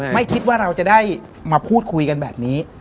ไม่คิดว่าจะได้เราพูดคุยแบบนี้